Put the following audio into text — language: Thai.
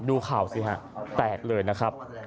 ดูข่าวสิฮะแตกเลยนะครับ